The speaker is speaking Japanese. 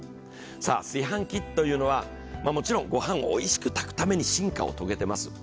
炊飯器というのは、もちろん御飯をおいしく炊くために進化を遂げています。